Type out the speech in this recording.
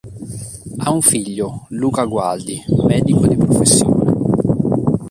Ha un figlio, Luca Gualdi, medico di professione.